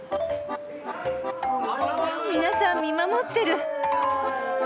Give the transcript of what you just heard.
皆さん見守ってる。